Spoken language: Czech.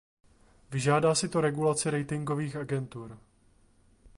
Vyžádá si to regulaci ratingových agentur.